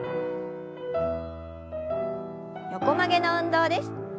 横曲げの運動です。